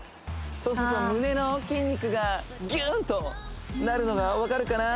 そうすると胸の筋肉がギュンとなるのがわかるかな？